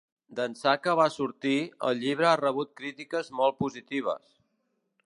D'ençà que va sortir, el llibre ha rebut crítiques molt positives.